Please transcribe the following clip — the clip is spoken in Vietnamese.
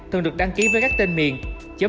thường được đăng ký với các tên miệng